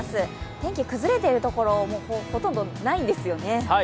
天気崩れているところ、ほとんどないんですよね。